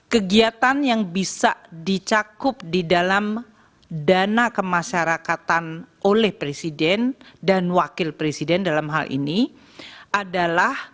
kegiatan yang bisa dicakup di dalam dana kemasyarakatan oleh presiden dan wakil presiden dalam hal ini adalah